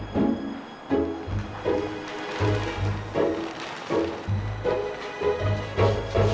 loh ini cuara apa ya